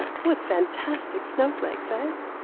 What fantastic snow flakes, eh.